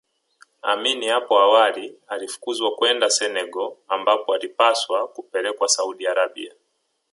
Amin hapo awali alifukuzwa kwenda Senegal ambapo alipaswa kupelekwa Saudi Arabia